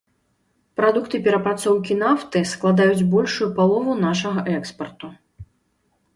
Прадукты перапрацоўкі нафты складаюць большую палову нашага экспарту.